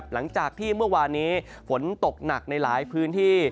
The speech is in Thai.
หลังจากที่เมื่อวานนี้ฝนตกหนักในหลายพื้นที่